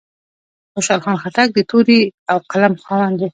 خوشحال خان خټک د تورې او قلم خاوند و.